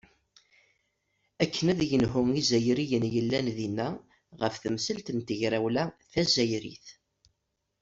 Akken ad yenhu Izzayriyen yellan dinna ɣef temsalt n tegrawla tazzayrit.